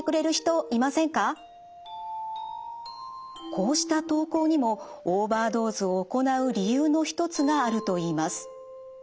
こうした投稿にもオーバードーズを行う理由の一つがあるといいます。